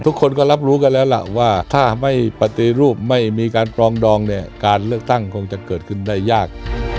ทุกคนก็รับรู้กันแล้วล่ะว่าถ้าไม่ปฏิรูปไม่มีการปรองดองเนี่ยการเลือกตั้งคงจะเกิดขึ้นได้ยาก